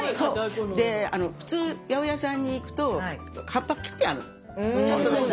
で普通八百屋さんに行くと葉っぱ切ってある。ちょっとだけ。